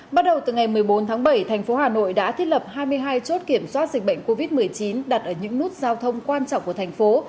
bắt đầu từ ngày một mươi bốn tháng bảy thành phố hà nội đã thiết lập hai mươi hai chốt kiểm soát dịch bệnh covid một mươi chín đặt ở những nút giao thông quan trọng của thành phố